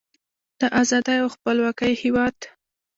د ازادۍ او خپلواکۍ هیواد.